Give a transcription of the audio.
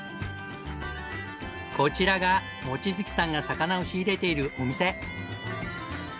こちらが望月さんが魚を仕入れているお店。